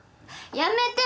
やめて！